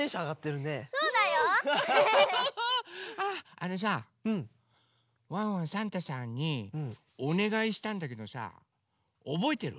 あのさワンワンサンタさんにおねがいしたんだけどさおぼえてる？